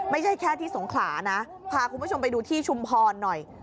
ไม่ใช่แค่ที่สงขลานะพาคุณผู้ชมไปดูที่ชุมพรหน่อย